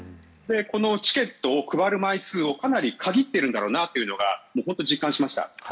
このチケットを配る枚数をかなり限っているんだろうなというのを本当に実感しました。